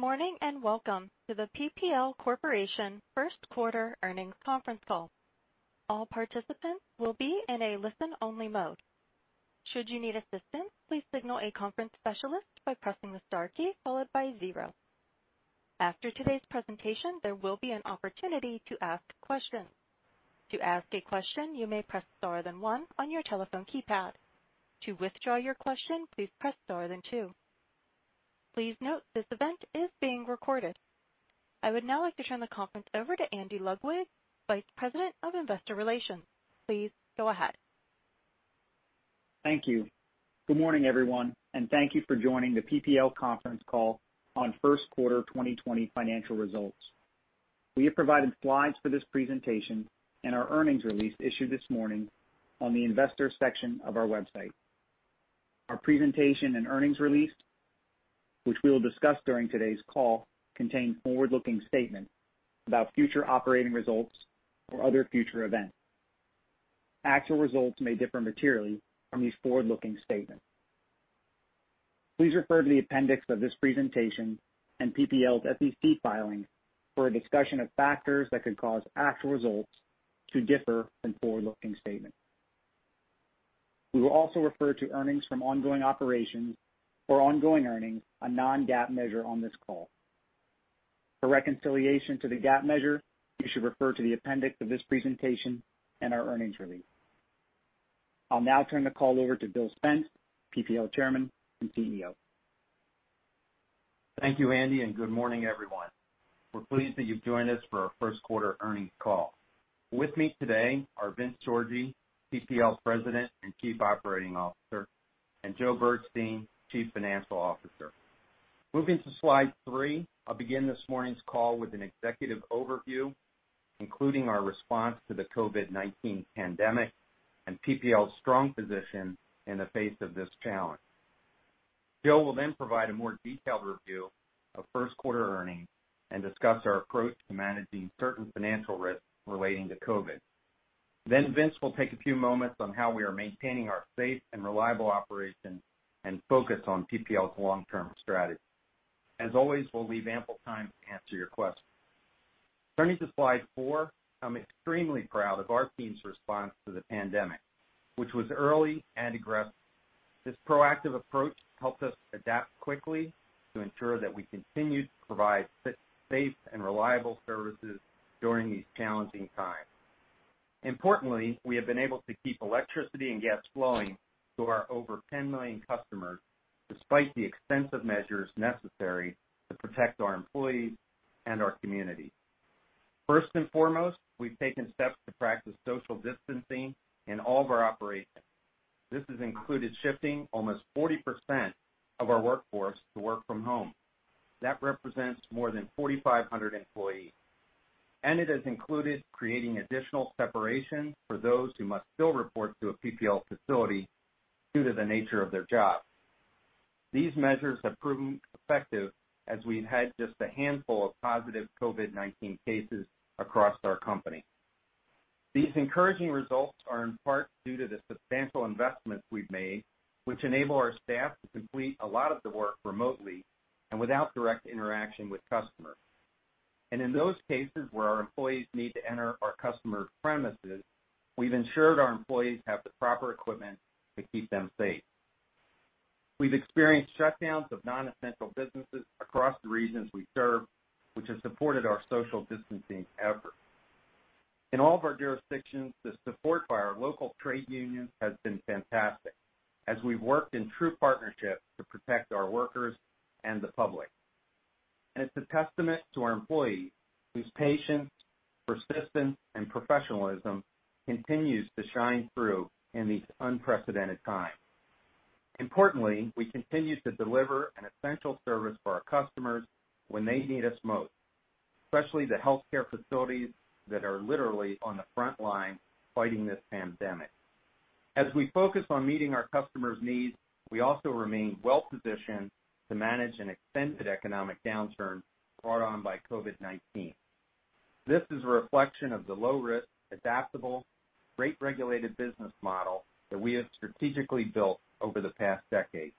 Good morning, and welcome to the PPL Corporation first quarter earnings conference call. All participants will be in a listen-only mode. Should you need assistance, please signal a conference specialist by pressing the star key followed by zero. After today's presentation, there will be an opportunity to ask questions. To ask a question, you may press star then one on your telephone keypad. To withdraw your question, please press star then two. Please note this event is being recorded. I would now like to turn the conference over to Andy Ludwig, Vice President of Investor Relations. Please go ahead. Thank you. Good morning, everyone, and thank you for joining the PPL conference call on first quarter 2020 financial results. We have provided slides for this presentation in our earnings release issued this morning on the investors section of our website. Our presentation and earnings release, which we will discuss during today's call, contain forward-looking statements about future operating results or other future events. Actual results may differ materially from these forward-looking statements. Please refer to the appendix of this presentation and PPL's SEC filings for a discussion of factors that could cause actual results to differ than forward-looking statements. We will also refer to earnings from ongoing operations or ongoing earnings, a non-GAAP measure on this call. For reconciliation to the GAAP measure, you should refer to the appendix of this presentation and our earnings release. I'll now turn the call over to Bill Spence, PPL Chairman and CEO. Thank you, Andy. Good morning, everyone. We're pleased that you've joined us for our first quarter earnings call. With me today are Vince Sorgi, PPL's President and Chief Operating Officer, and Joe Bergstein, Chief Financial Officer. Moving to slide three, I'll begin this morning's call with an executive overview, including our response to the COVID-19 pandemic and PPL's strong position in the face of this challenge. Joe will then provide a more detailed review of first quarter earnings and discuss our approach to managing certain financial risks relating to COVID. Vince will take a few moments on how we are maintaining our safe and reliable operations and focus on PPL's long-term strategy. As always, we'll leave ample time to answer your questions. Turning to slide four, I'm extremely proud of our team's response to the pandemic, which was early and aggressive. This proactive approach helped us adapt quickly to ensure that we continued to provide safe and reliable services during these challenging times. Importantly, we have been able to keep electricity and gas flowing to our over 10 million customers, despite the extensive measures necessary to protect our employees and our community. First and foremost, we've taken steps to practice social distancing in all of our operations. This has included shifting almost 40% of our workforce to work from home. That represents more than 4,500 employees. It has included creating additional separation for those who must still report to a PPL facility due to the nature of their job. These measures have proven effective as we've had just a handful of positive COVID-19 cases across our company. These encouraging results are in part due to the substantial investments we've made, which enable our staff to complete a lot of the work remotely and without direct interaction with customers. In those cases where our employees need to enter our customers' premises, we've ensured our employees have the proper equipment to keep them safe. We've experienced shutdowns of non-essential businesses across the regions we serve, which has supported our social distancing efforts. In all of our jurisdictions, the support by our local trade unions has been fantastic as we've worked in true partnership to protect our workers and the public. It's a testament to our employees whose patience, persistence, and professionalism continues to shine through in these unprecedented times. Importantly, we continue to deliver an essential service for our customers when they need us most, especially the healthcare facilities that are literally on the front line fighting this pandemic. As we focus on meeting our customers' needs, we also remain well-positioned to manage an extended economic downturn brought on by COVID-19. This is a reflection of the low-risk, adaptable, rate-regulated business model that we have strategically built over the past decade.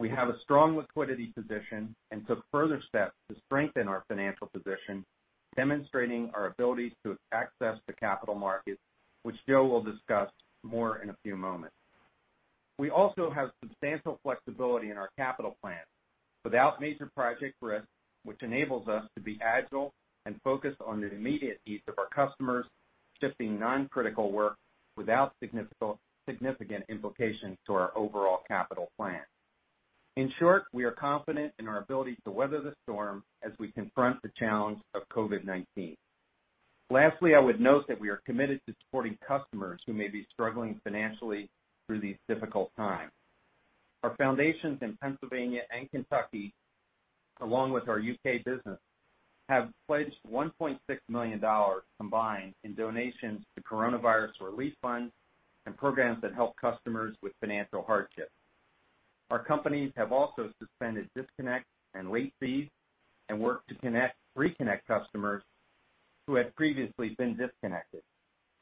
We have a strong liquidity position and took further steps to strengthen our financial position, demonstrating our ability to access the capital markets, which Joe will discuss more in a few moments. We also have substantial flexibility in our capital plans without major project risks, which enables us to be agile and focused on the immediate needs of our customers, shifting non-critical work without significant implications to our overall capital plan. In short, we are confident in our ability to weather the storm as we confront the challenge of COVID-19. Lastly, I would note that we are committed to supporting customers who may be struggling financially through these difficult times. Our foundations in Pennsylvania and Kentucky, along with our U.K. business, have pledged $1.6 million combined in donations to coronavirus relief funds and programs that help customers with financial hardship. Our companies have also suspended disconnects and late fees and worked to reconnect customers who had previously been disconnected.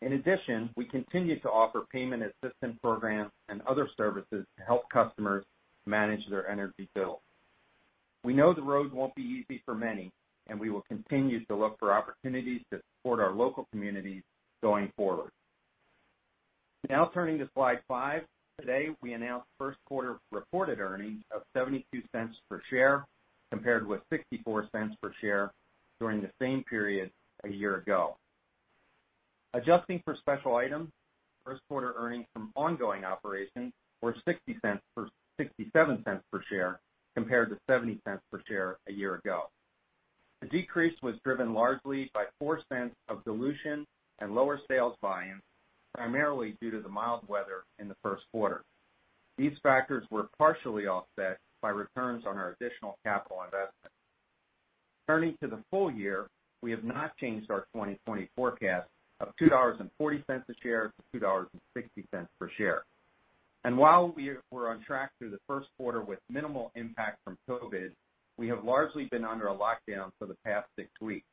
In addition, we continue to offer payment assistance programs and other services to help customers manage their energy bill. We know the road won't be easy for many. We will continue to look for opportunities to support our local communities going forward. Now turning to slide five. Today, we announced first quarter reported earnings of $0.72 per share, compared with $0.64 per share during the same period a year ago. Adjusting for special item, first quarter earnings from ongoing operations were $0.67 per share compared to $0.70 per share a year ago. The decrease was driven largely by $0.04 of dilution and lower sales volumes, primarily due to the mild weather in the first quarter. These factors were partially offset by returns on our additional capital investment. Turning to the full year, we have not changed our 2020 forecast of $2.40-$2.60 per share. While we were on track through the first quarter with minimal impact from COVID, we have largely been under a lockdown for the past six weeks.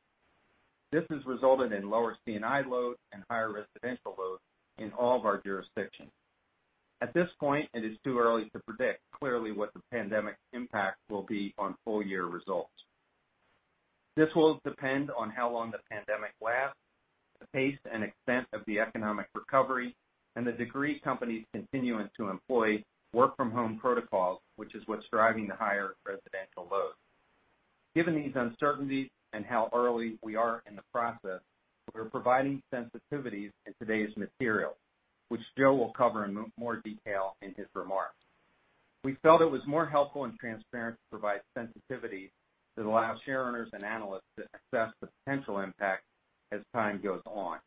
This has resulted in lower C&I load and higher residential load in all of our jurisdictions. At this point, it is too early to predict clearly what the pandemic impact will be on full year results. This will depend on how long the pandemic lasts, the pace and extent of the economic recovery, and the degree companies continuing to employ work-from-home protocols, which is what's driving the higher residential load. Given these uncertainties and how early we are in the process, we're providing sensitivities in today's material, which Joe will cover in more detail in his remarks. We felt it was more helpful and transparent to provide sensitivity to allow shareowners and analysts to assess the potential impact as time goes on.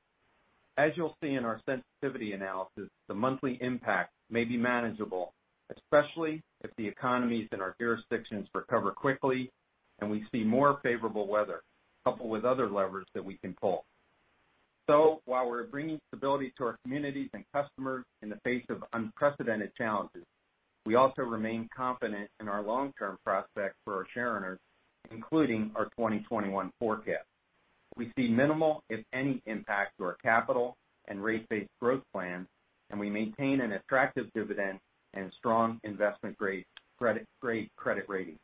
As you'll see in our sensitivity analysis, the monthly impact may be manageable, especially if the economies in our jurisdictions recover quickly and we see more favorable weather, coupled with other levers that we can pull. While we're bringing stability to our communities and customers in the face of unprecedented challenges, we also remain confident in our long-term prospects for our shareowners, including our 2021 forecast. We see minimal, if any, impact to our capital and rate-based growth plans, and we maintain an attractive dividend and strong investment-grade credit rating.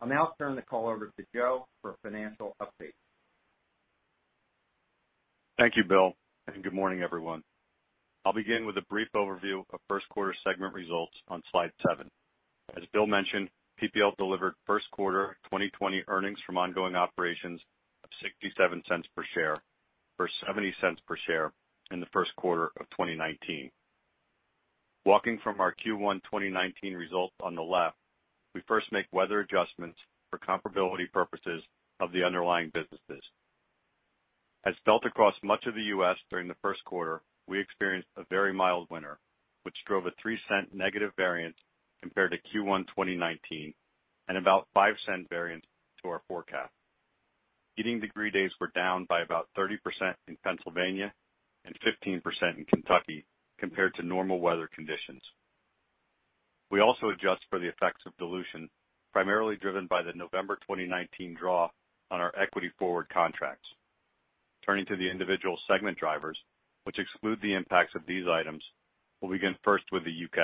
I'll now turn the call over to Joe for a financial update. Thank you, Bill. Good morning, everyone. I'll begin with a brief overview of first quarter segment results on slide seven. As Bill mentioned, PPL delivered first quarter 2020 earnings from ongoing operations of $0.67 per share, for $0.70 per share in the first quarter of 2019. Walking from our Q1 2019 results on the left, we first make weather adjustments for comparability purposes of the underlying businesses. As felt across much of the U.S. during the first quarter, we experienced a very mild winter, which drove a $0.03 negative variance compared to Q1 2019, and about $0.05 variance to our forecast. Heating degree days were down by about 30% in Pennsylvania and 15% in Kentucky compared to normal weather conditions. We also adjust for the effects of dilution, primarily driven by the November 2019 draw on our equity forward contracts. Turning to the individual segment drivers, which exclude the impacts of these items, we'll begin first with the U.K.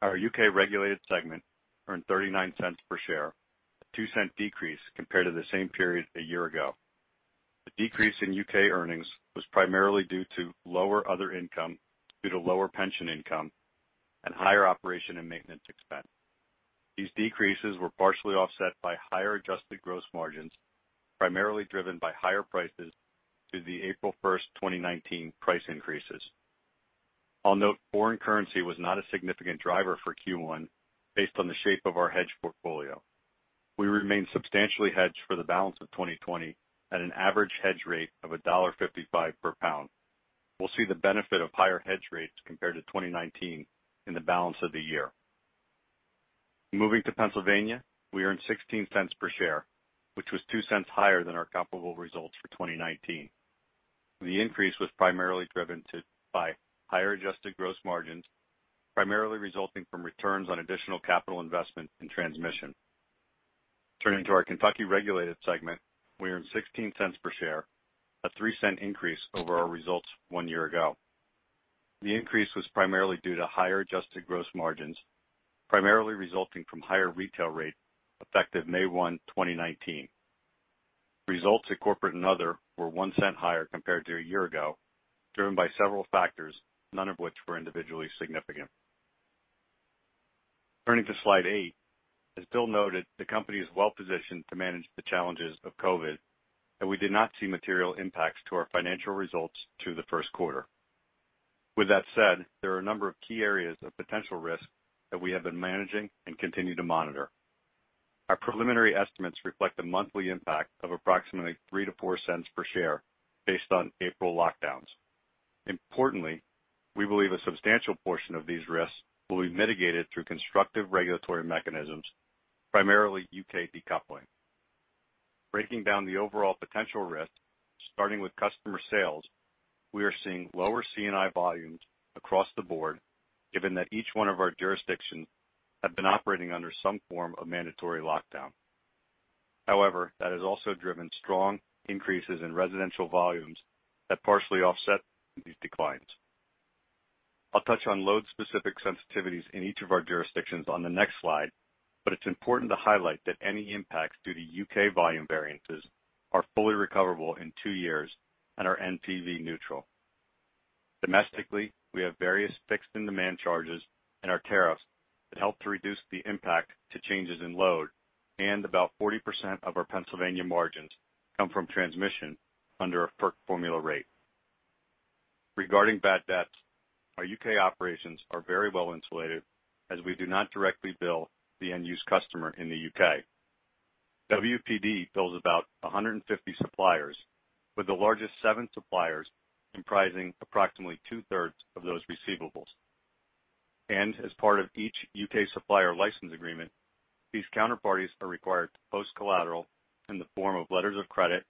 Our U.K. regulated segment earned $0.39 per share, a $0.02 decrease compared to the same period a year ago. The decrease in U.K. earnings was primarily due to lower other income due to lower pension income and higher operation and maintenance expense. These decreases were partially offset by higher adjusted gross margins, primarily driven by higher prices through the April 1st, 2019, price increases. I'll note foreign currency was not a significant driver for Q1 based on the shape of our hedge portfolio. We remain substantially hedged for the balance of 2020 at an average hedge rate of $1.55 per pound. We'll see the benefit of higher hedge rates compared to 2019 in the balance of the year. Moving to Pennsylvania, we earned $0.16 per share, which was $0.02 higher than our comparable results for 2019. The increase was primarily driven by higher adjusted gross margins, primarily resulting from returns on additional capital investment in transmission. Turning to our Kentucky regulated segment, we earned $0.16 per share, a $0.03 increase over our results one year ago. The increase was primarily due to higher adjusted gross margins, primarily resulting from higher retail rate effective May 1, 2019. Results at corporate and other were $0.01 higher compared to a year ago, driven by several factors, none of which were individually significant. Turning to slide eight. As Bill noted, the company is well-positioned to manage the challenges of COVID, and we did not see material impacts to our financial results through the first quarter. With that said, there are a number of key areas of potential risk that we have been managing and continue to monitor. Our preliminary estimates reflect a monthly impact of approximately $0.03-$0.04 per share based on April lockdowns. Importantly, we believe a substantial portion of these risks will be mitigated through constructive regulatory mechanisms, primarily U.K. decoupling. Breaking down the overall potential risk, starting with customer sales. We are seeing lower C&I volumes across the board, given that each one of our jurisdictions have been operating under some form of mandatory lockdown. However, that has also driven strong increases in residential volumes that partially offset these declines. I'll touch on load-specific sensitivities in each of our jurisdictions on the next slide, but it's important to highlight that any impacts due to U.K. volume variances are fully recoverable in two years and are NPV neutral. Domestically, we have various fixed and demand charges in our tariffs that help to reduce the impact to changes in load and about 40% of our Pennsylvania margins come from transmission under a FERC formula rate. Regarding bad debts, our U.K. operations are very well insulated as we do not directly bill the end-use customer in the U.K. WPD bills about 150 suppliers, with the largest seven suppliers comprising approximately 2/3 of those receivables. As part of each U.K. supplier license agreement, these counterparties are required to post collateral in the form of letters of credit,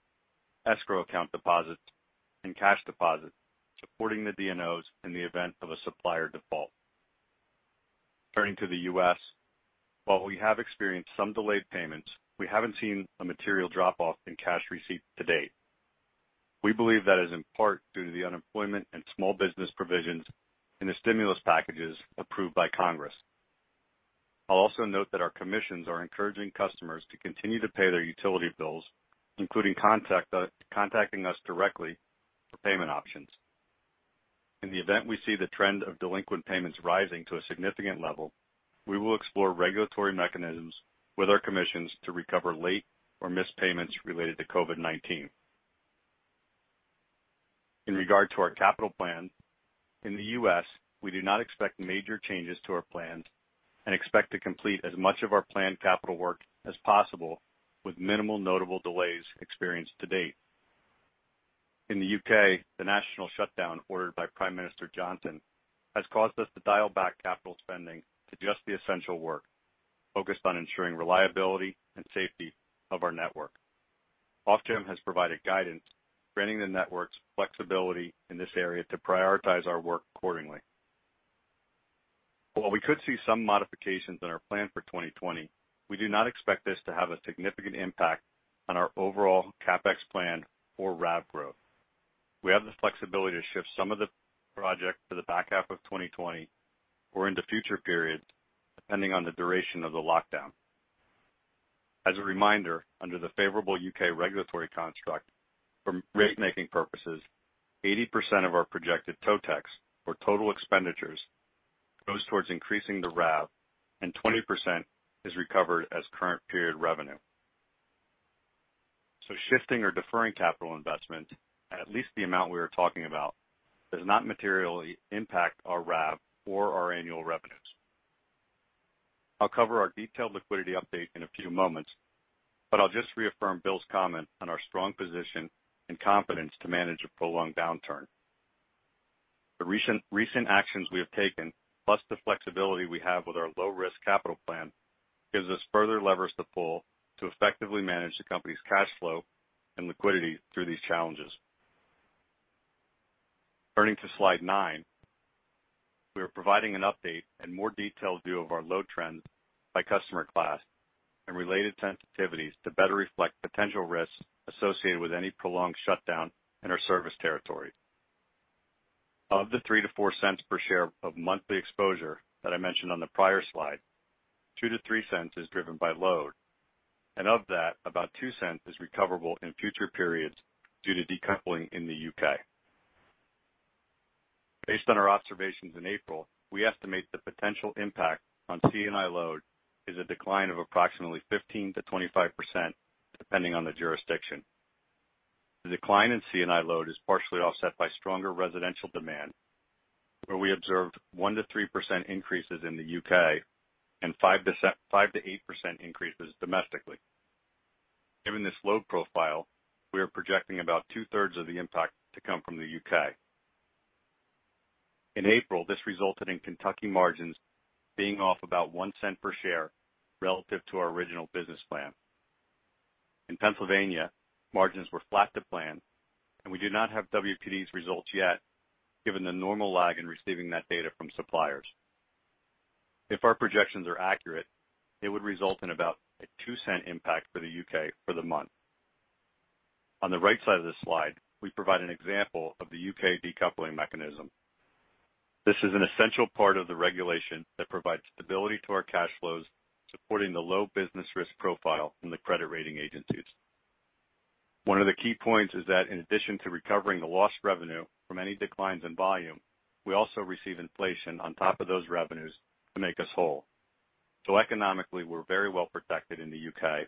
escrow account deposits, and cash deposits, supporting the DNOs in the event of a supplier default. Turning to the U.S., while we have experienced some delayed payments, we haven't seen a material drop-off in cash receipts to date. We believe that is in part due to the unemployment and small business provisions in the stimulus packages approved by Congress. I'll also note that our commissions are encouraging customers to continue to pay their utility bills, including contacting us directly for payment options. In the event we see the trend of delinquent payments rising to a significant level, we will explore regulatory mechanisms with our commissions to recover late or missed payments related to COVID-19. In regard to our capital plan, in the U.S., we do not expect major changes to our plans and expect to complete as much of our planned capital work as possible with minimal notable delays experienced to date. In the U.K., the national shutdown ordered by Prime Minister Johnson has caused us to dial back capital spending to just the essential work, focused on ensuring reliability and safety of our network. Ofgem has provided guidance granting the network's flexibility in this area to prioritize our work accordingly. While we could see some modifications in our plan for 2020, we do not expect this to have a significant impact on our overall CapEx plan or RAV growth. We have the flexibility to shift some of the project to the back half of 2020 or into future periods, depending on the duration of the lockdown. As a reminder, under the favorable U.K. regulatory construct, for rate-making purposes, 80% of our projected totex, or total expenditures, goes towards increasing the RAV, and 20% is recovered as current period revenue. Shifting or deferring capital investment, at least the amount we are talking about, does not materially impact our RAV or our annual revenues. I'll cover our detailed liquidity update in a few moments, but I'll just reaffirm Bill's comment on our strong position and confidence to manage a prolonged downturn. The recent actions we have taken, plus the flexibility we have with our low-risk capital plan, gives us further levers to pull to effectively manage the company's cash flow and liquidity through these challenges. Turning to slide nine, we are providing an update and more detailed view of our load trends by customer class and related sensitivities to better reflect potential risks associated with any prolonged shutdown in our service territory. Of the $0.03-$0.04 per share of monthly exposure that I mentioned on the prior slide, $0.02-$0.03 is driven by load. Of that, about $0.02 is recoverable in future periods due to decoupling in the U.K. Based on our observations in April, we estimate the potential impact on C&I load is a decline of approximately 15%-25%, depending on the jurisdiction. The decline in C&I load is partially offset by stronger residential demand, where we observed 1%-3% increases in the U.K. and 5%-8% increases domestically. Given this load profile, we are projecting about 2/3 of the impact to come from the U.K. In April, this resulted in Kentucky margins being off about $0.01 per share relative to our original business plan. In Pennsylvania, margins were flat to plan, and we do not have WPD's results yet, given the normal lag in receiving that data from suppliers. If our projections are accurate, it would result in about a $0.02 impact for the U.K. for the month. On the right side of this slide, we provide an example of the U.K. decoupling mechanism. This is an essential part of the regulation that provides stability to our cash flows, supporting the low business risk profile from the credit rating agencies. One of the key points is that in addition to recovering the lost revenue from any declines in volume, we also receive inflation on top of those revenues to make us whole. Economically, we're very well-protected in the U.K.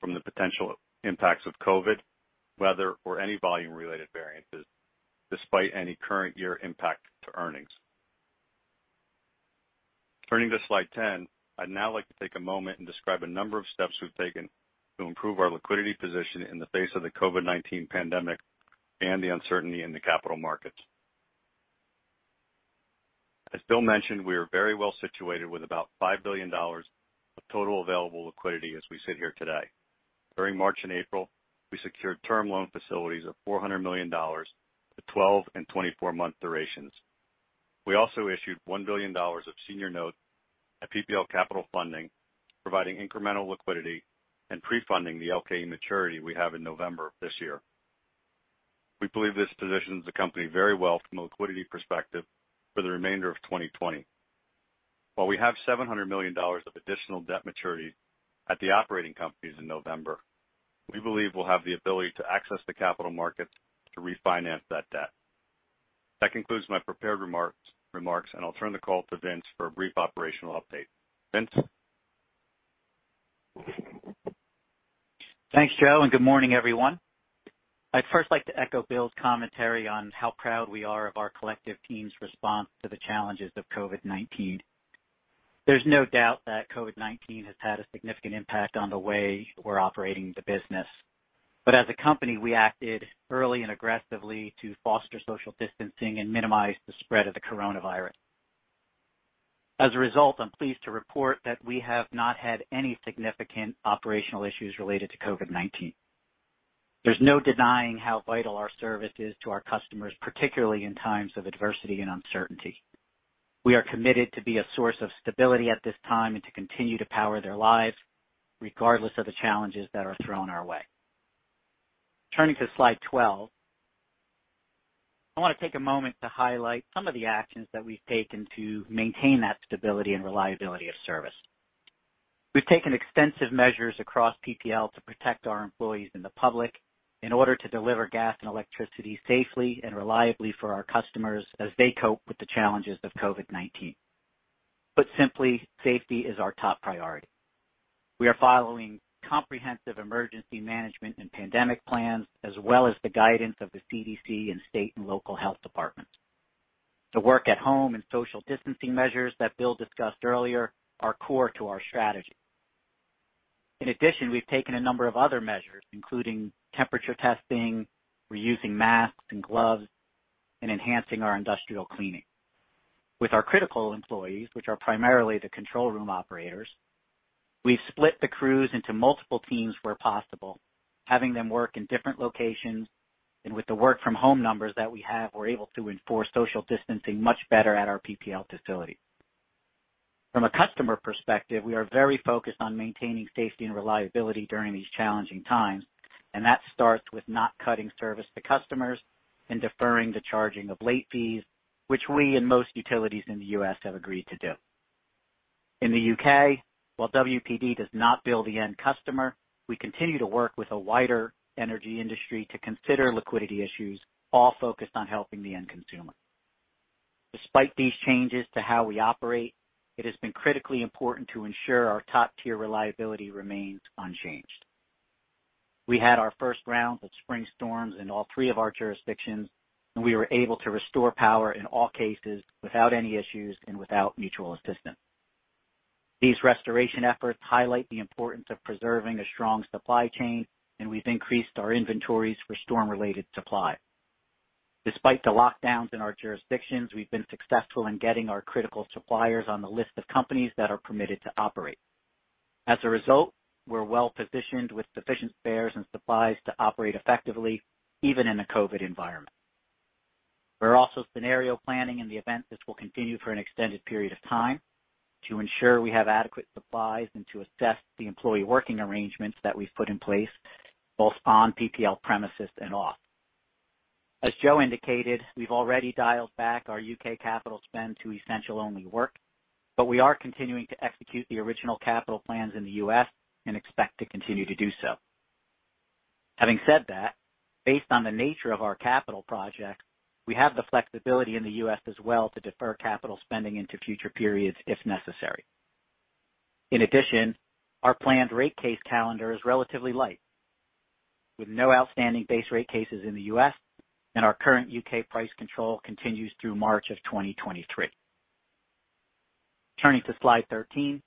from the potential impacts of COVID, weather, or any volume-related variances, despite any current year impact to earnings. Turning to slide 10, I'd now like to take a moment and describe a number of steps we've taken to improve our liquidity position in the face of the COVID-19 pandemic and the uncertainty in the capital markets. As Bill mentioned, we are very well-situated with about $5 billion of total available liquidity as we sit here today. During March and April, we secured term loan facilities of $400 million with 12 and 24-month durations. We also issued $1 billion of senior notes at PPL Capital Funding, providing incremental liquidity and pre-funding the LKE maturity we have in November of this year. We believe this positions the company very well from a liquidity perspective for the remainder of 2020. While we have $700 million of additional debt maturity at the operating companies in November, we believe we'll have the ability to access the capital markets to refinance that debt. That concludes my prepared remarks, and I'll turn the call to Vince for a brief operational update. Vince? Thanks, Joe. Good morning, everyone. I'd first like to echo Bill's commentary on how proud we are of our collective team's response to the challenges of COVID-19. There's no doubt that COVID-19 has had a significant impact on the way we're operating the business. As a company, we acted early and aggressively to foster social distancing and minimize the spread of the coronavirus. As a result, I'm pleased to report that we have not had any significant operational issues related to COVID-19. There's no denying how vital our service is to our customers, particularly in times of adversity and uncertainty. We are committed to be a source of stability at this time and to continue to power their lives, regardless of the challenges that are thrown our way. Turning to slide 12, I want to take a moment to highlight some of the actions that we've taken to maintain that stability and reliability of service. We've taken extensive measures across PPL to protect our employees and the public in order to deliver gas and electricity safely and reliably for our customers as they cope with the challenges of COVID-19. Put simply, safety is our top priority. We are following comprehensive emergency management and pandemic plans, as well as the guidance of the CDC and state and local health departments. The work at home and social distancing measures that Bill discussed earlier are core to our strategy. In addition, we've taken a number of other measures, including temperature testing, we're using masks and gloves, and enhancing our industrial cleaning. With our critical employees, which are primarily the control room operators, we've split the crews into multiple teams where possible, having them work in different locations, and with the work-from-home numbers that we have, we're able to enforce social distancing much better at our PPL facility. From a customer perspective, we are very focused on maintaining safety and reliability during these challenging times, and that starts with not cutting service to customers and deferring the charging of late fees, which we and most utilities in the U.S. have agreed to do. In the U.K., while WPD does not bill the end customer, we continue to work with a wider energy industry to consider liquidity issues, all focused on helping the end consumer. Despite these changes to how we operate, it has been critically important to ensure our top-tier reliability remains unchanged. We had our first rounds of spring storms in all three of our jurisdictions, and we were able to restore power in all cases without any issues and without mutual assistance. These restoration efforts highlight the importance of preserving a strong supply chain, and we've increased our inventories for storm-related supply. Despite the lockdowns in our jurisdictions, we've been successful in getting our critical suppliers on the list of companies that are permitted to operate. As a result, we're well-positioned with sufficient spares and supplies to operate effectively, even in a COVID environment. We're also scenario planning in the event this will continue for an extended period of time to ensure we have adequate supplies and to assess the employee working arrangements that we've put in place, both on PPL premises and off. As Joe indicated, we've already dialed back our U.K. capital spend to essential-only work. We are continuing to execute the original capital plans in the U.S. and expect to continue to do so. Having said that, based on the nature of our capital projects, we have the flexibility in the U.S. as well to defer capital spending into future periods if necessary. In addition, our planned rate case calendar is relatively light, with no outstanding base rate cases in the U.S., and our current U.K. price control continues through March of 2023. Turning to slide 13.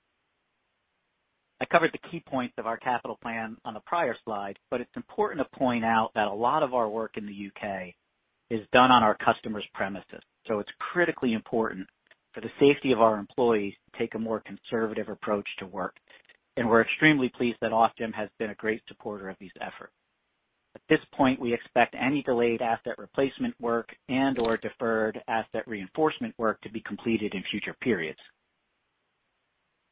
I covered the key points of our capital plan on the prior slide. It's important to point out that a lot of our work in the U.K. is done on our customers' premises. It's critically important for the safety of our employees to take a more conservative approach to work. We're extremely pleased that Ofgem has been a great supporter of these efforts. At this point, we expect any delayed asset replacement work and/or deferred asset reinforcement work to be completed in future periods.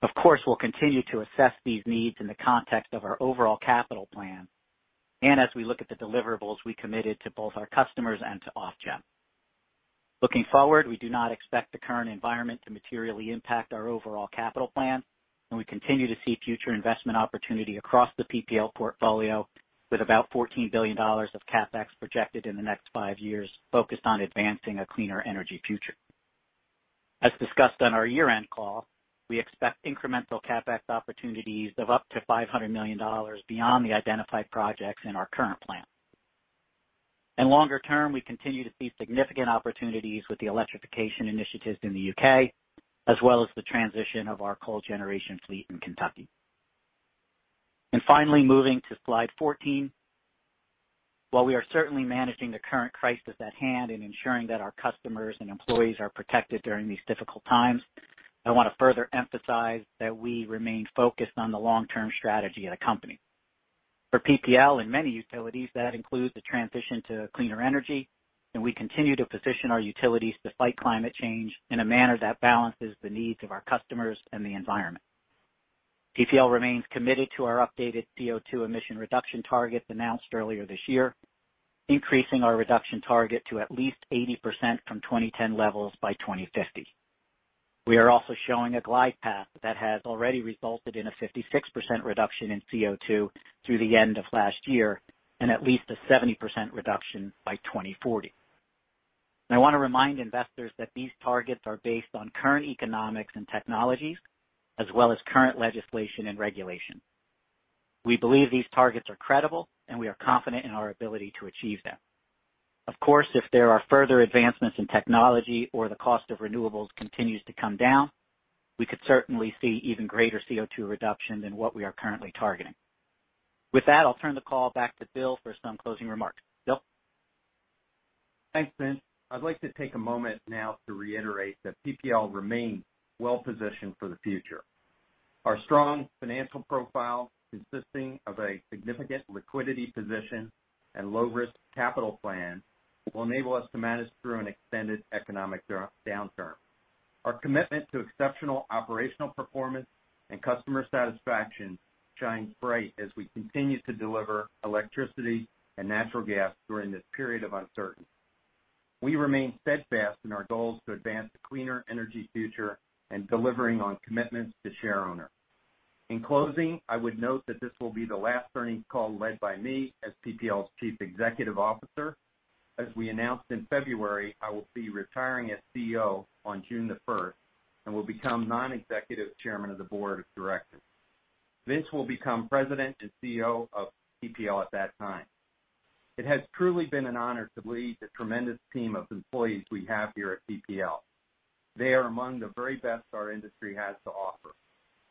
Of course, we'll continue to assess these needs in the context of our overall capital plan and as we look at the deliverables we committed to both our customers and to Ofgem. Looking forward, we do not expect the current environment to materially impact our overall capital plan, and we continue to see future investment opportunity across the PPL portfolio with about $14 billion of CapEx projected in the next five years focused on advancing a cleaner energy future. As discussed on our year-end call, we expect incremental CapEx opportunities of up to $500 million beyond the identified projects in our current plan. Longer-term, we continue to see significant opportunities with the electrification initiatives in the U.K., as well as the transition of our coal generation fleet in Kentucky. Finally, moving to slide 14. While we are certainly managing the current crisis at hand and ensuring that our customers and employees are protected during these difficult times, I want to further emphasize that we remain focused on the long-term strategy of the company. For PPL and many utilities, that includes the transition to cleaner energy, and we continue to position our utilities to fight climate change in a manner that balances the needs of our customers and the environment. PPL remains committed to our updated CO₂ emission reduction targets announced earlier this year, increasing our reduction target to at least 80% from 2010 levels by 2050. We are also showing a glide path that has already resulted in a 56% reduction in CO₂ through the end of last year and at least a 70% reduction by 2040. I want to remind investors that these targets are based on current economics and technologies as well as current legislation and regulation. We believe these targets are credible, and we are confident in our ability to achieve them. Of course, if there are further advancements in technology or the cost of renewables continues to come down, we could certainly see even greater CO₂ reduction than what we are currently targeting. With that, I'll turn the call back to Bill for some closing remarks. Bill? Thanks, Vince. I'd like to take a moment now to reiterate that PPL remains well-positioned for the future. Our strong financial profile, consisting of a significant liquidity position and low-risk capital plan, will enable us to manage through an extended economic downturn. Our commitment to exceptional operational performance and customer satisfaction shines bright as we continue to deliver electricity and natural gas during this period of uncertainty. We remain steadfast in our goals to advance a cleaner energy future and delivering on commitments to shareowners. In closing, I would note that this will be the last earnings call led by me as PPL's Chief Executive Officer. As we announced in February, I will be retiring as CEO on June the 1st and will become non-executive Chairman of the Board of Directors. Vince will become President and CEO of PPL at that time. It has truly been an honor to lead the tremendous team of employees we have here at PPL. They are among the very best our industry has to offer.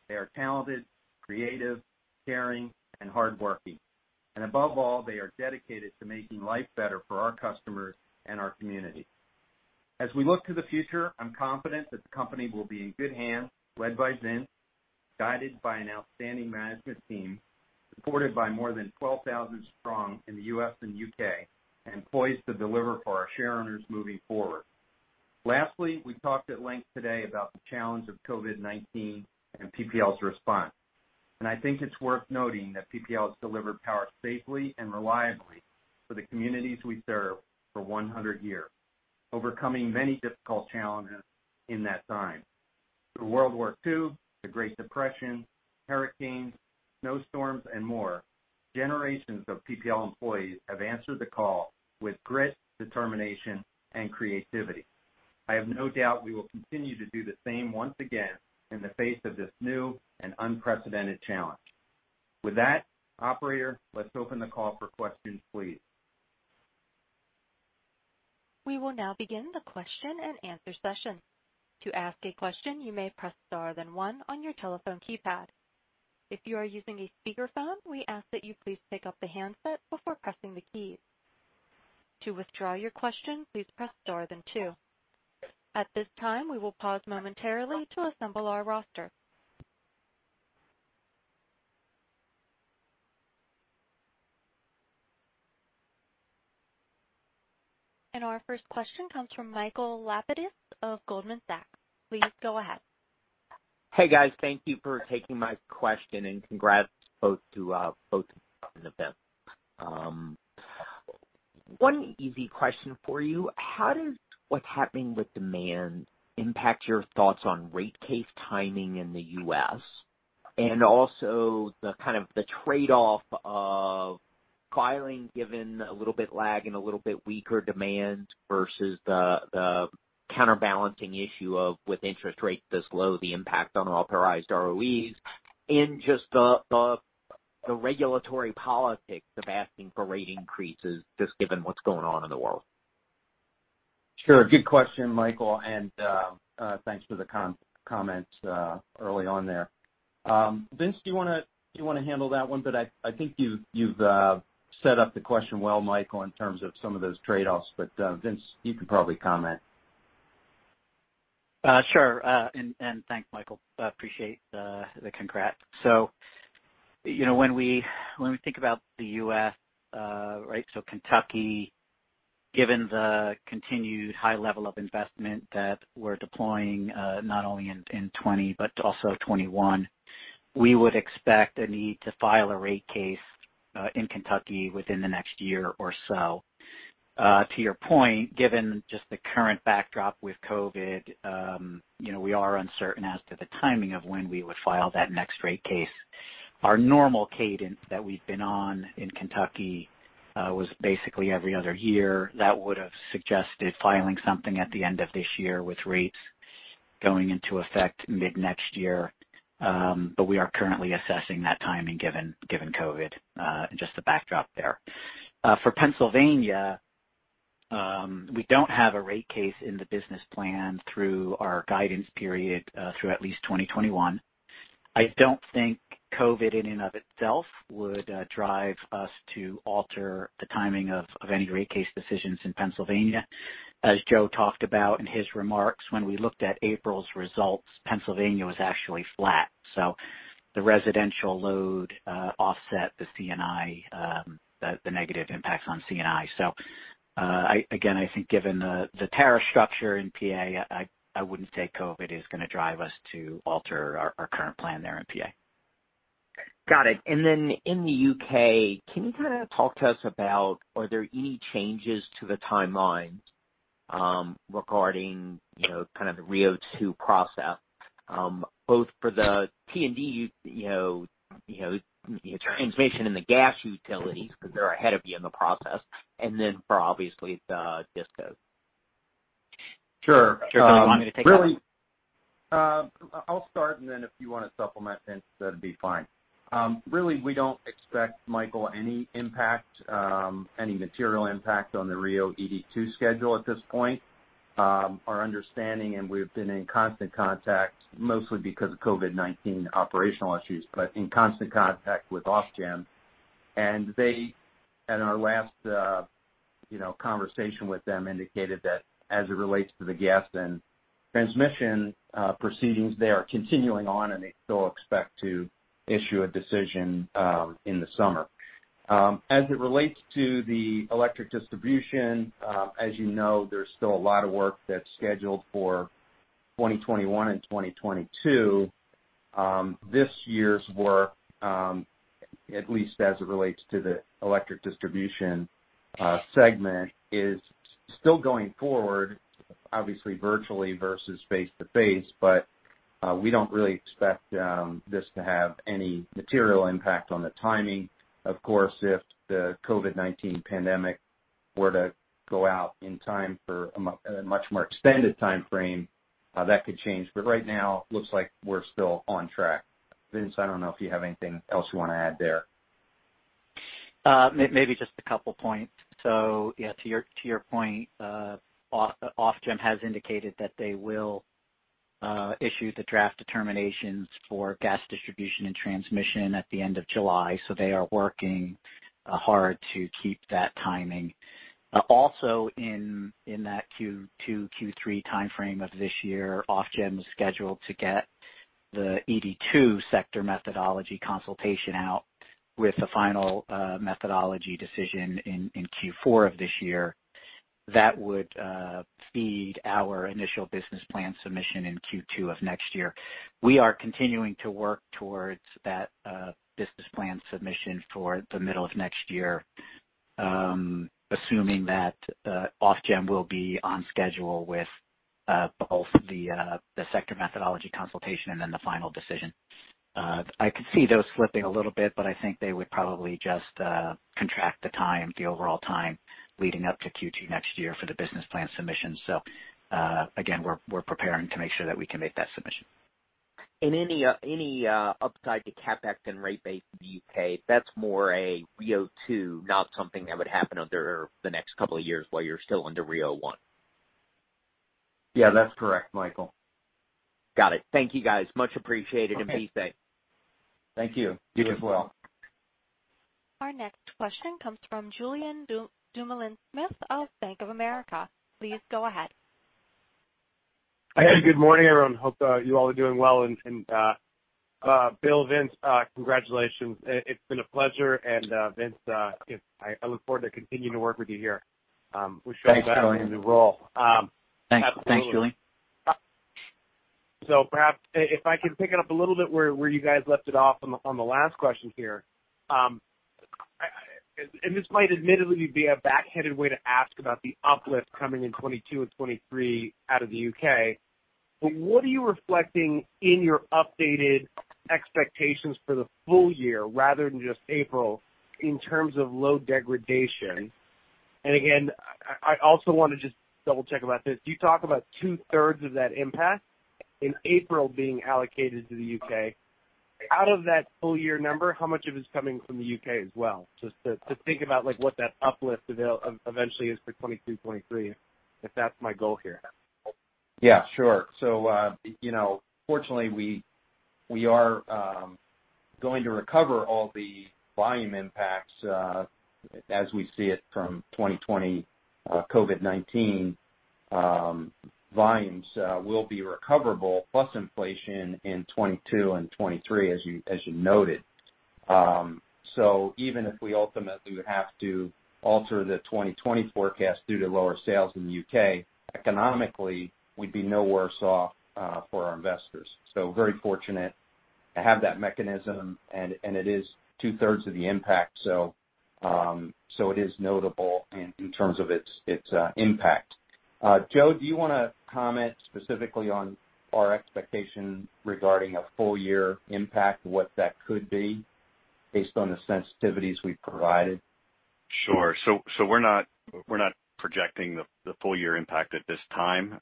They are talented, creative, caring, and hardworking, and above all, they are dedicated to making life better for our customers and our community. As we look to the future, I'm confident that the company will be in good hands, led by Vince, guided by an outstanding management team, supported by more than 12,000 strong in the U.S. and U.K., and poised to deliver for our shareowners moving forward. Lastly, we talked at length today about the challenge of COVID-19 and PPL's response, and I think it's worth noting that PPL has delivered power safely and reliably for the communities we serve for 100 years, overcoming many difficult challenges in that time. Through World War II, the Great Depression, hurricanes, snowstorms, and more, generations of PPL employees have answered the call with grit, determination, and creativity. I have no doubt we will continue to do the same once again in the face of this new and unprecedented challenge. With that, operator, let's open the call for questions, please. We will now begin the question-and-answer session. To ask a question, you may press star then one on your telephone keypad. If you are using a speakerphone, we ask that you please pick up the handset before pressing the keys. To withdraw your question, please press star then two. At this time, we will pause momentarily to assemble our roster. Our first question comes from Michael Lapides of Goldman Sachs. Please go ahead. Hey, guys. Thank you for taking my question and congrats both to Bill and Vince. One easy question for you: How does what's happening with demand impact your thoughts on rate case timing in the U.S. and also the trade-off of filing, given a little bit lag and a little bit weaker demand versus the counterbalancing issue of, with interest rates this low, the impact on authorized ROEs and just the regulatory politics of asking for rate increases, just given what's going on in the world? Sure. Good question, Michael, and thanks for the comment early on there. Vince, do you want to handle that one? I think you've set up the question well, Michael, in terms of some of those trade-offs. Vince, you can probably comment. Sure. Thanks, Michael. Appreciate the congrats. When we think about the U.S., right? Kentucky, given the continued high level of investment that we're deploying, not only in 2020, but also 2021, we would expect a need to file a rate case, in Kentucky within the next year or so. To your point, given just the current backdrop with COVID, we are uncertain as to the timing of when we would file that next rate case. Our normal cadence that we've been on in Kentucky was basically every other year. That would have suggested filing something at the end of this year, with rates going into effect mid-next year. We are currently assessing that timing, given COVID, just the backdrop there. For Pennsylvania, we don't have a rate case in the business plan through our guidance period through at least 2021. I don't think COVID in and of itself would drive us to alter the timing of any rate case decisions in Pennsylvania. As Joe talked about in his remarks, when we looked at April's results, Pennsylvania was actually flat. The residential load offset the negative impacts on C&I. Again, I think given the tariff structure in PA, I wouldn't say COVID is going to drive us to alter our current plan there in PA. Got it. In the U.K., can you kind of talk to us about, are there any changes to the timeline regarding the RIIO-2 process, both for the T&D, the transmission and the gas utilities, because they're ahead of you in the process, and then for obviously the DISCO? Sure. Really- Do you want me to take that one? I'll start, and then if you want to supplement, Vince, that'd be fine. Really, we don't expect, Michael, any material impact on the RIIO-ED2 schedule at this point. Our understanding, and we've been in constant contact, mostly because of COVID-19 operational issues, but in constant contact with Ofgem. In our last conversation with them indicated that as it relates to the gas and transmission proceedings, they are continuing on, and they still expect to issue a decision in the summer. As it relates to the electric distribution, as you know, there's still a lot of work that's scheduled for 2021 and 2022. This year's work, at least as it relates to the electric distribution segment, is still going forward, obviously virtually versus face-to-face. We don't really expect this to have any material impact on the timing. Of course, if the COVID-19 pandemic were to go out in time for a much more extended timeframe, that could change. Right now, looks like we're still on track. Vince, I don't know if you have anything else you want to add there. Maybe just a couple points. To your point, Ofgem has indicated that they will issue the draft determinations for gas distribution and transmission at the end of July, so they are working hard to keep that timing. Also in that Q2, Q3 timeframe of this year, Ofgem is scheduled to get the ED2 sector methodology consultation out with a final methodology decision in Q4 of this year. That would feed our initial business plan submission in Q2 of next year. We are continuing to work towards that business plan submission for the middle of next year, assuming that Ofgem will be on schedule with both the sector methodology consultation and then the final decision. I could see those slipping a little bit, but I think they would probably just contract the overall time leading up to Q2 next year for the business plan submission. Again, we're preparing to make sure that we can make that submission. Any upside to CapEx and rate base in the U.K., that's more a RIIO-2, not something that would happen under the next couple of years while you're still under RIIO-1? Yeah, that's correct, Michael. Got it. Thank you, guys. Much appreciated and be safe. Thank you. You as well. Our next question comes from Julien Dumoulin-Smith of Bank of America. Please go ahead. Hey, good morning, everyone. Hope you all are doing well. Bill, Vince, congratulations. It's been a pleasure. Vince, I look forward to continuing to work with you here. Thanks, Julien. Wish you well in your new role. Thanks, Julien. Perhaps if I can pick it up a little bit where you guys left it off on the last question here. This might admittedly be a backhanded way to ask about the uplift coming in 2022 and 2023 out of the U.K. What are you reflecting in your updated expectations for the full year rather than just April in terms of load degradation? Again, I also want to just double-check about this. You talk about 2/3 of that impact in April being allocated to the U.K. Out of that full year number, how much of it is coming from the U.K. as well? Just to think about what that uplift eventually is for 2022, 2023, if that's my goal here. Yeah, sure. Fortunately, we are going to recover all the volume impacts as we see it from 2020 COVID-19. Volumes will be recoverable plus inflation in 2022 and 2023, as you noted. Even if we ultimately would have to alter the 2020 forecast due to lower sales in the U.K., economically, we'd be no worse off for our investors. Very fortunate to have that mechanism, and it is 2/3 of the impact. It is notable in terms of its impact. Joe, do you want to comment specifically on our expectation regarding a full-year impact, what that could be based on the sensitivities we've provided? Sure. We're not projecting the full-year impact at this time.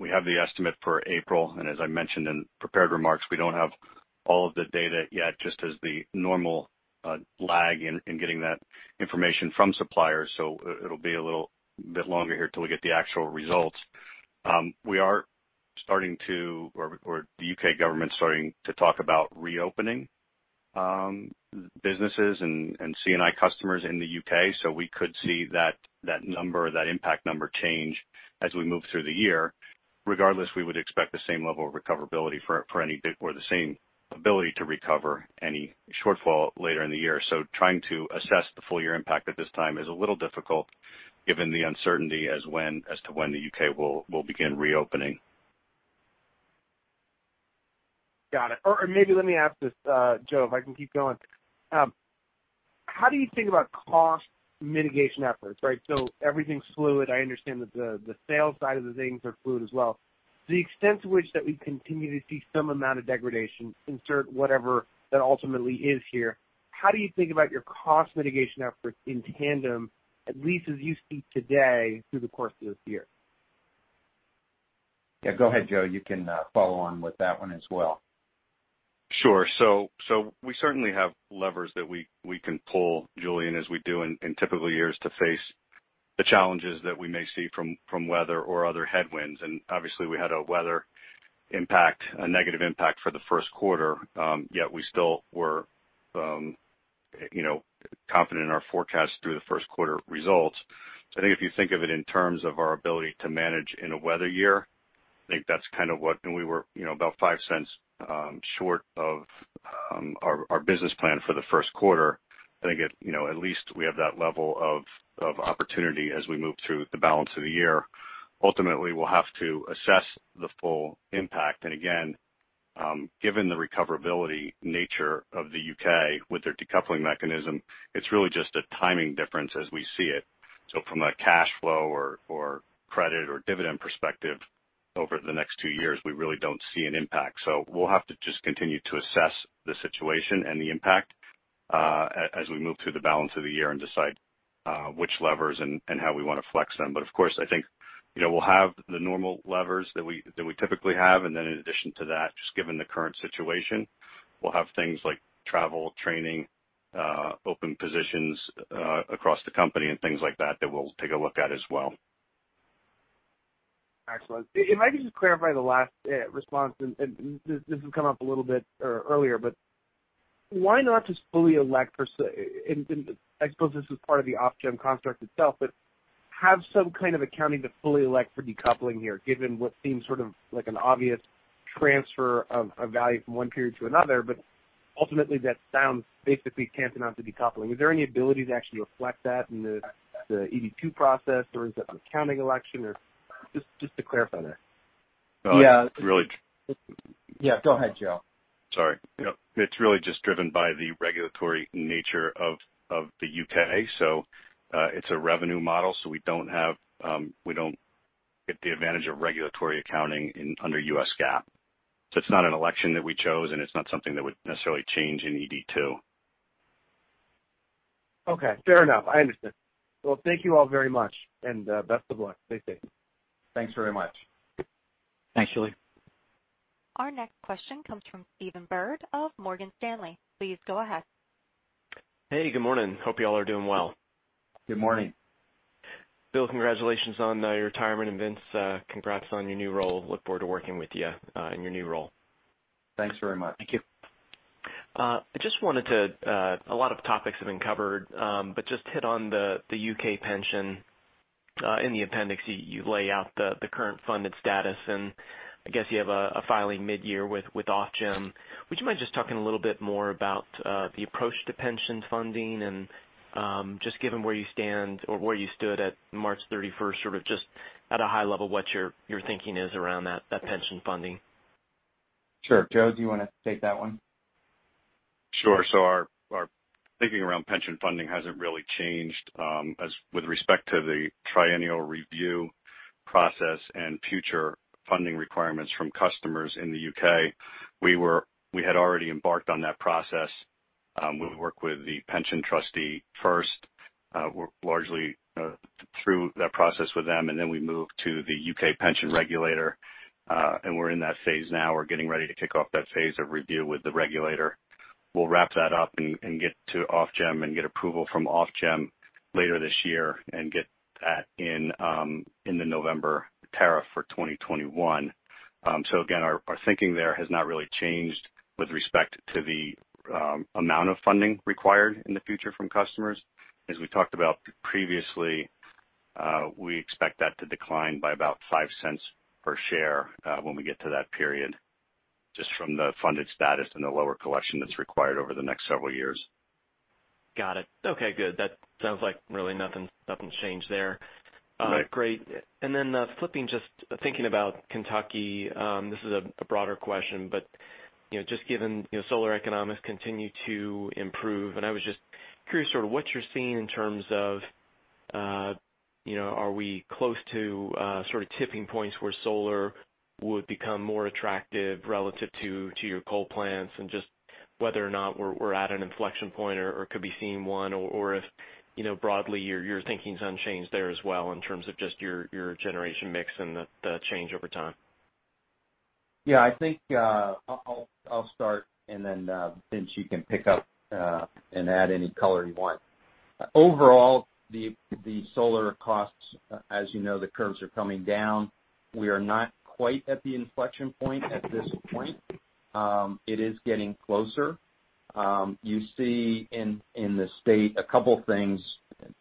We have the estimate for April, and as I mentioned in prepared remarks, we don't have all of the data yet, just as the normal lag in getting that information from suppliers. It'll be a little bit longer here till we get the actual results. We are starting to, or the U.K. government's starting to talk about reopening businesses and C&I customers in the U.K., we could see that number, that impact number change as we move through the year. Regardless, we would expect the same level of recoverability or the same ability to recover any shortfall later in the year. Trying to assess the full year impact at this time is a little difficult given the uncertainty as to when the U.K. will begin reopening. Got it. Maybe let me ask this, Joe, if I can keep going. How do you think about cost mitigation efforts? Right? Everything's fluid. I understand that the sales side of the things are fluid as well. To the extent to which that we continue to see some amount of degradation, insert whatever that ultimately is here, how do you think about your cost mitigation efforts in tandem, at least as you see today, through the course of this year? Yeah. Go ahead, Joe. You can follow on with that one as well. Sure. We certainly have levers that we can pull, Julien, as we do in typical years, to face the challenges that we may see from weather or other headwinds. Obviously, we had a weather impact, a negative impact for the first quarter. Yet we still were confident in our forecast through the first quarter results. I think if you think of it in terms of our ability to manage in a weather year, I think that's kind of what, we were about $0.05 short of our business plan for the first quarter. I think at least we have that level of opportunity as we move through the balance of the year. Ultimately, we'll have to assess the full impact. Again, given the recoverability nature of the U.K. with their decoupling mechanism, it's really just a timing difference as we see it. From a cash flow or credit or dividend perspective over the next two years, we really don't see an impact. We'll have to just continue to assess the situation and the impact as we move through the balance of the year and decide which levers and how we want to flex them. Of course, I think we'll have the normal levers that we typically have. Then in addition to that, just given the current situation, we'll have things like travel, training, open positions across the company and things like that we'll take a look at as well. Excellent. If I could just clarify the last response, and this has come up a little bit earlier, but why not just fully elect for, I suppose this is part of the Ofgem construct itself, but have some kind of accounting to fully elect for decoupling here, given what seems sort of like an obvious transfer of value from one period to another, but ultimately that sounds basically tantamount to decoupling. Is there any ability to actually reflect that in the ED2 process or is it an accounting election or just to clarify that? It's really- Yeah, go ahead, Joe. Sorry. It's really just driven by the regulatory nature of the U.K. It's a revenue model, so we don't get the advantage of regulatory accounting under U.S. GAAP. It's not an election that we chose, and it's not something that would necessarily change in ED2. Okay, fair enough. I understand. Thank you all very much and best of luck. Stay safe. Thanks very much. Thanks, Julien. Our next question comes from Stephen Byrd of Morgan Stanley. Please go ahead. Hey, good morning. Hope you all are doing well. Good morning. Bill, congratulations on your retirement, and Vince, congrats on your new role. Look forward to working with you in your new role. Thanks very much. Thank you. I just wanted to, a lot of topics have been covered, but just hit on the U.K. pension. In the appendix, you lay out the current funded status, and I guess you have a filing mid-year with Ofgem. Would you mind just talking a little bit more about the approach to pension funding and, just given where you stand or where you stood at March 31st, sort of just at a high level, what your thinking is around that pension funding? Sure. Joe, do you want to take that one? Sure. Our thinking around pension funding hasn't really changed. As with respect to the triennial review process and future funding requirements from customers in the U.K., we had already embarked on that process. We work with the pension trustee first, we're largely through that process with them, and then we move to the U.K. pension regulator. We're in that phase now. We're getting ready to kick off that phase of review with the regulator. We'll wrap that up and get to Ofgem and get approval from Ofgem later this year and get that in the November tariff for 2021. Again, our thinking there has not really changed with respect to the amount of funding required in the future from customers. As we talked about previously, we expect that to decline by about $0.05 per share when we get to that period, just from the funded status and the lower collection that's required over the next several years. Got it. Okay, good. That sounds like really nothing's changed there. Great. Flipping, just thinking about Kentucky, this is a broader question, but just given solar economics continue to improve, and I was just curious sort of what you're seeing in terms of are we close to sort of tipping points where solar would become more attractive relative to your coal plants and just whether or not we're at an inflection point or could be seeing one, or if broadly, your thinking's unchanged there as well in terms of just your generation mix and the change over time? Yeah, I think I'll start and then Vince, you can pick up and add any color you want. Overall, the solar costs, as you know, the curves are coming down. We are not quite at the inflection point at this point. It is getting closer. You see in the state a couple things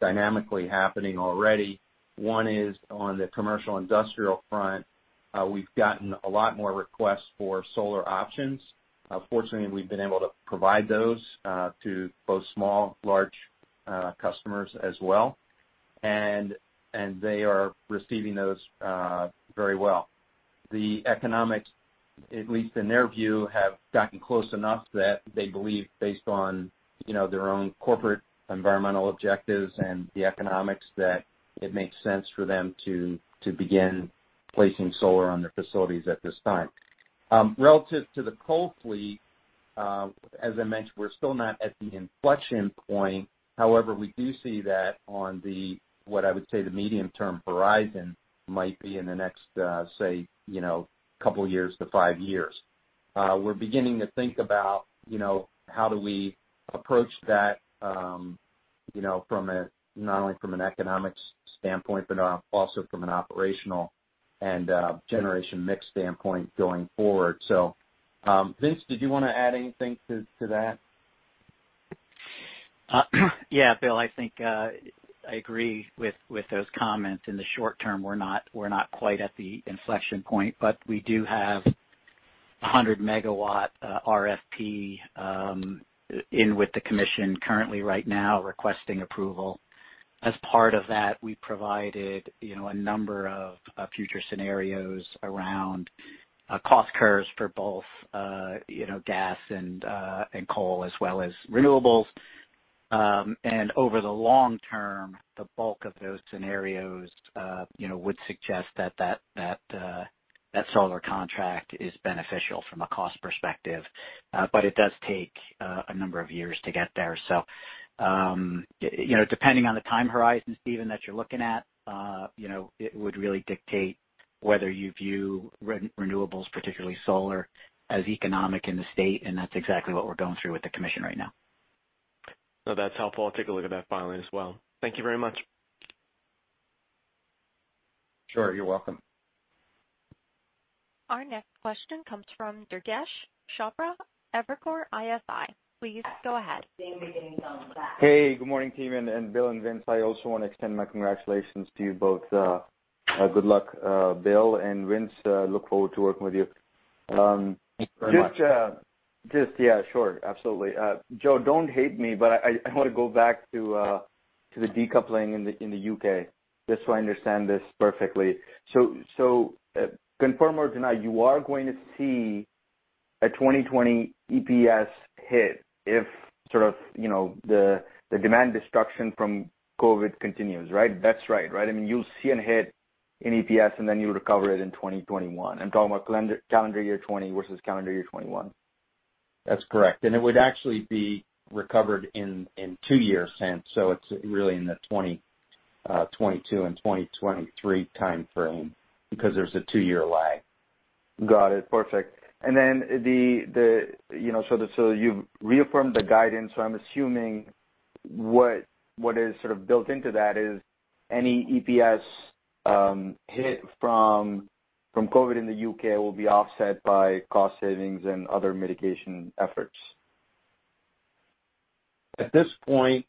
dynamically happening already. One is on the commercial industrial front. We've gotten a lot more requests for solar options. Fortunately, we've been able to provide those to both small, large customers as well. They are receiving those very well. The economics, at least in their view, have gotten close enough that they believe based on their own corporate environmental objectives and the economics, that it makes sense for them to begin placing solar on their facilities at this time. Relative to the coal fleet, as I mentioned, we're still not at the inflection point. However, we do see that on the, what I would say, the medium-term horizon might be in the next, say, couple years to five years. We're beginning to think about how do we approach that not only from an economics standpoint, but also from an operational and generation mix standpoint going forward. Vince, did you want to add anything to that? Yeah, Bill, I think I agree with those comments. In the short-term, we're not quite at the inflection point, we do have 100 MW RFP in with the commission currently right now requesting approval. As part of that, we provided a number of future scenarios around cost curves for both gas and coal as well as renewables. Over the long-term, the bulk of those scenarios would suggest that solar contract is beneficial from a cost perspective. It does take a number of years to get there. Depending on the time horizon, Stephen, that you're looking at it would really dictate whether you view renewables, particularly solar, as economic in the state. That's exactly what we're going through with the commission right now. No, that's helpful. I'll take a look at that filing as well. Thank you very much. Sure. You're welcome. Our next question comes from Durgesh Chopra, Evercore ISI. Please go ahead. Hey, good morning, team, and Bill and Vince. I also want to extend my congratulations to you both. Good luck, Bill and Vince, look forward to working with you. Thanks very much. Yeah, sure. Absolutely. Joe, don't hate me, but I want to go back to the decoupling in the U.K., just so I understand this perfectly. Confirm or deny, you are going to see a 2020 EPS hit if sort of the demand destruction from COVID continues, right? That's right? You'll see a hit in EPS and then you'll recover it in 2021. I'm talking about calendar year 2020 versus calendar year 2021. That's correct. It would actually be recovered in two years since. It's really in the 2022 and 2023 timeframe because there's a two-year lag. Got it. Perfect. You've reaffirmed the guidance. I'm assuming what is sort of built into that is any EPS hit from COVID in the U.K. will be offset by cost savings and other mitigation efforts. At this point,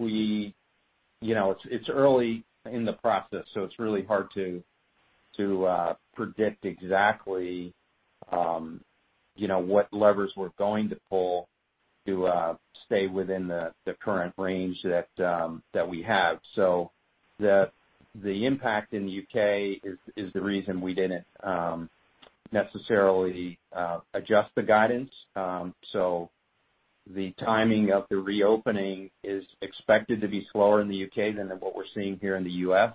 it's early in the process, so it's really hard to predict exactly what levers we're going to pull to stay within the current range that we have. The impact in the U.K. is the reason we didn't necessarily adjust the guidance. The timing of the reopening is expected to be slower in the U.K. than what we're seeing here in the U.S.,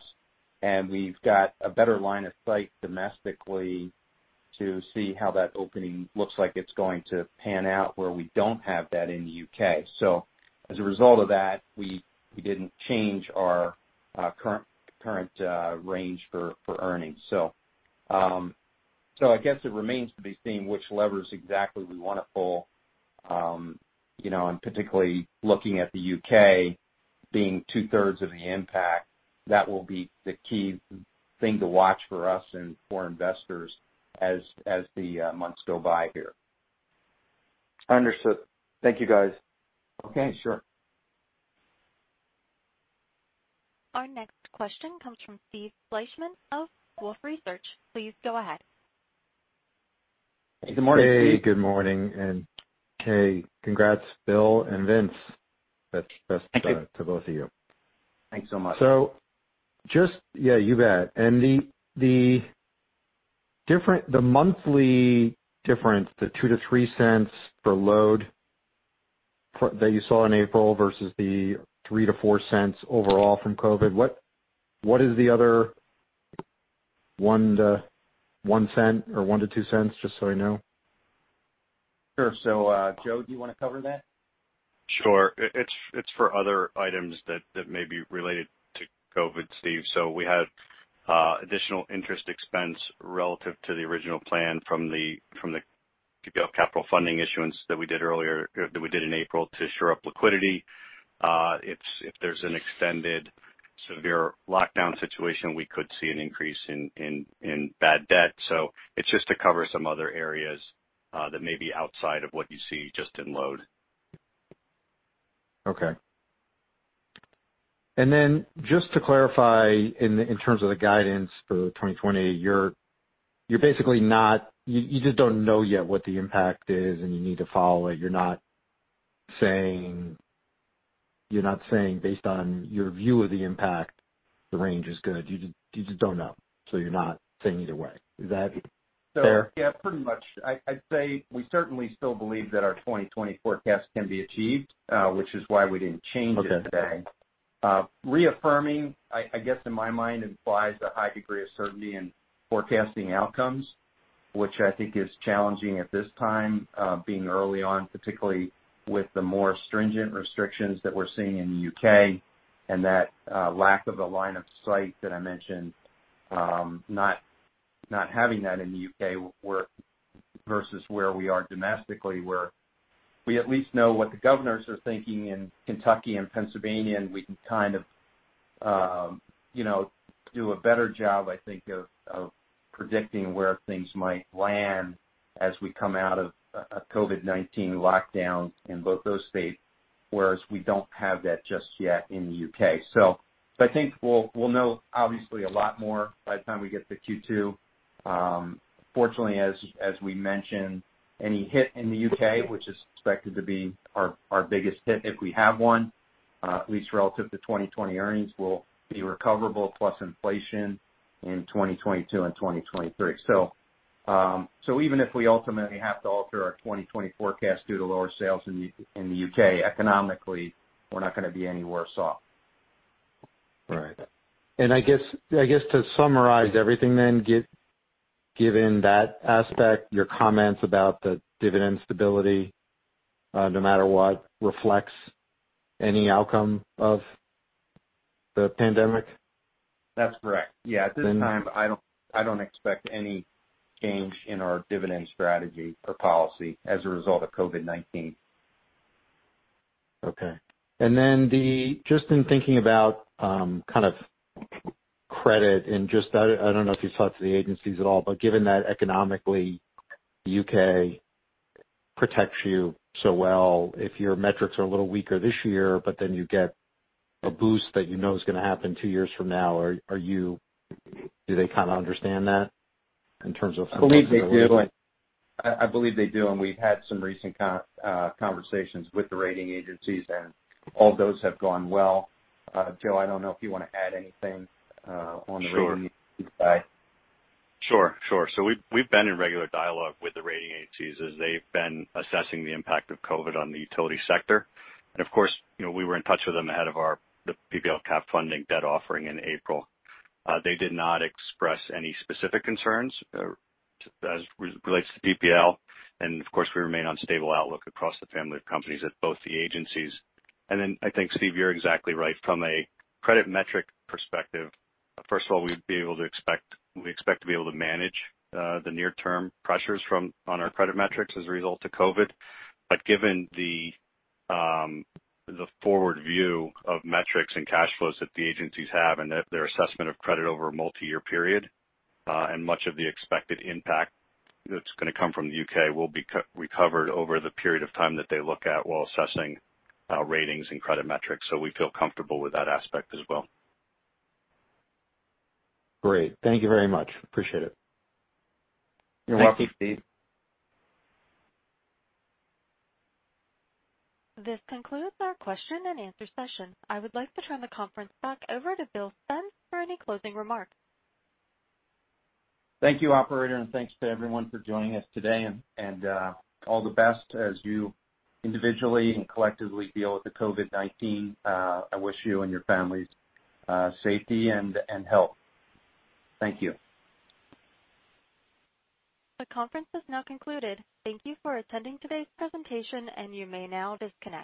and we've got a better line of sight domestically to see how that opening looks like it's going to pan out where we don't have that in the U.K. As a result of that, we didn't change our current range for earnings. I guess it remains to be seen which levers exactly we want to pull. Particularly looking at the U.K. being 2/3 of the impact, that will be the key thing to watch for us and for investors as the months go by here. Understood. Thank you, guys. Okay, sure. Our next question comes from Steve Fleishman of Wolfe Research. Please go ahead. Good morning, Steve. Hey, good morning, and hey, congrats, Bill and Vince. Thank you. Best of luck to both of you. Thanks so much. Yeah, you bet. The monthly difference, the $0.02-$0.03 per load that you saw in April versus the $0.03-$0.04 overall from COVID, what is the other $0.01 or $0.01-$0.02, just so I know? Sure. Joe, do you want to cover that? Sure. It's for other items that may be related to COVID, Steve. We had additional interest expense relative to the original plan from the PPL Capital Funding issuance that we did in April to shore up liquidity. If there's an extended severe lockdown situation, we could see an increase in bad debt. It's just to cover some other areas that may be outside of what you see just in load. Okay. Just to clarify in terms of the guidance for 2020, you just don't know yet what the impact is, and you need to follow it. You're not saying based on your view of the impact, the range is good. You just don't know. You're not saying either way. Is that fair? Yeah, pretty much. I'd say we certainly still believe that our 2020 forecast can be achieved, which is why we didn't change it today. Reaffirming, I guess, in my mind, implies a high degree of certainty in forecasting outcomes, which I think is challenging at this time, being early on, particularly with the more stringent restrictions that we're seeing in the U.K. and that lack of a line of sight that I mentioned, not having that in the U.K. versus where we are domestically, where we at least know what the governors are thinking in Kentucky and Pennsylvania, and we can do a better job, I think, of predicting where things might land as we come out of a COVID-19 lockdown in both those states, whereas we don't have that just yet in the U.K. I think we'll know, obviously, a lot more by the time we get to Q2. Fortunately, as we mentioned, any hit in the U.K., which is expected to be our biggest hit if we have one, at least relative to 2020 earnings, will be recoverable plus inflation in 2022 and 2023. Even if we ultimately have to alter our 2020 forecast due to lower sales in the U.K., economically, we're not going to be any worse off. I guess to summarize everything then, given that aspect, your comments about the dividend stability, no matter what reflects any outcome of the pandemic? That's correct. Yeah. At this time, I don't expect any change in our dividend strategy or policy as a result of COVID-19. Okay. Just in thinking about credit and I don't know if you talked to the agencies at all, but given that economically, U.K. protects you so well if your metrics are a little weaker this year, but then you get a boost that you know is going to happen two years from now. Do they kind of understand that in terms of- I believe they do. I believe they do. We've had some recent conversations with the rating agencies. All of those have gone well. Joe, I don't know if you want to add anything on the revenue side. Sure. We've been in regular dialogue with the rating agencies as they've been assessing the impact of COVID on the utility sector. Of course, we were in touch with them ahead of the PPL Capital Funding debt offering in April. They did not express any specific concerns as relates to PPL. Of course, we remain on stable outlook across the family of companies at both the agencies. Then I think, Steve, you're exactly right. From a credit metric perspective, first of all, we expect to be able to manage the near-term pressures on our credit metrics as a result of COVID. Given the forward view of metrics and cash flows that the agencies have and their assessment of credit over a multi-year period, and much of the expected impact that's going to come from the U.K. will be recovered over the period of time that they look at while assessing ratings and credit metrics. We feel comfortable with that aspect as well. Great. Thank you very much. Appreciate it. You're welcome. Thanks, Steve. This concludes our question-and-answer session. I would like to turn the conference back over to Bill Spence for any closing remarks. Thank you, operator. Thanks to everyone for joining us today and all the best as you individually and collectively deal with the COVID-19. I wish you and your families safety and health. Thank you. The conference is now concluded. Thank you for attending today's presentation, and you may now disconnect.